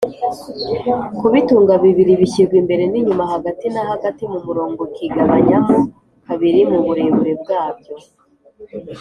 kubitunga bibiri bishyirwa imbere n’inyuma hagati na hagati mu murongo ikigabanyamo kabiri mu burebure bwabyo